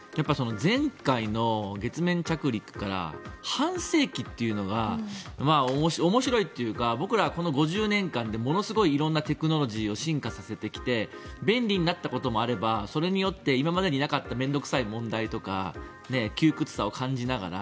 前回の月面着陸から半世紀というのが面白いというか僕ら、この５０年間でものすごい色んなテクノロジーを進化させてきて便利になったこともあればそれによって今までになかった面倒臭い問題とか窮屈さを感じながら